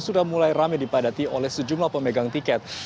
sudah mulai rame dipadati oleh sejumlah pemegang tiket